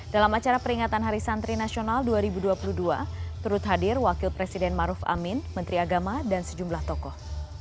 dalam acara peringatan hari santri nasional dua ribu dua puluh dua turut hadir wakil presiden maruf amin menteri agama dan sejumlah tokoh